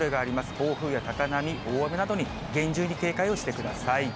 暴風や高波、大雨などに厳重に警戒をしてください。